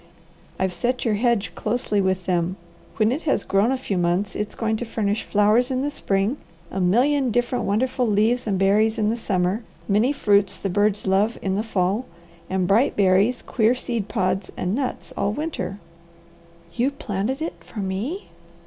I've set your hedge closely with them. When it has grown a few months it's going to furnish flowers in the spring, a million different, wonderful leaves and berries in the summer, many fruits the birds love in the fall, and bright berries, queer seed pods, and nuts all winter." "You planted it for me?"